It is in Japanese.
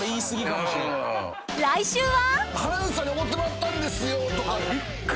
［来週は！］